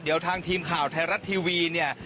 เดี๋ยวทางทีมข่าวไทยรัฐทีวีเนี่ย